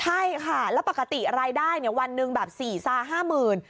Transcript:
ใช่ค่ะแล้วปกติรายได้วันหนึ่งแบบ๔๕๐๐๐บาท